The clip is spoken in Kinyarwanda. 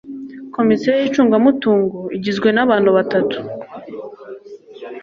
komisiyo y'icungamutungo igizwe n'abantu batatu